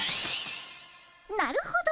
なるほど！